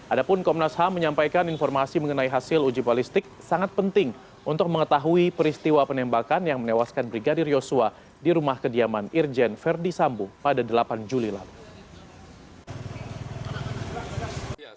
adapun komnas ham menyampaikan informasi mengenai hasil uji balistik sangat penting untuk mengetahui peristiwa penembakan yang menewaskan brigadir yosua di rumah kediaman irjen verdi sambo pada delapan juli lalu